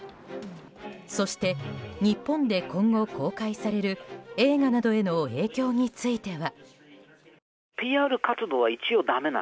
そして、日本で今後公開される映画などへの影響については。